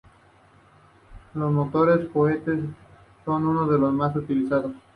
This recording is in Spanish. Los motores cohete son uno de los más utilizados.